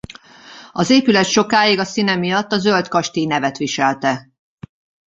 Az épület sokáig a színe miatt a zöld kastély nevet viselte.